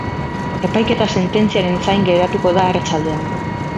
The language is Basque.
Epaiketa sententziaren zain geratuko da arratsaldean.